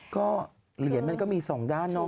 ก็เหรียญมันก็มีสองด้านเนาะ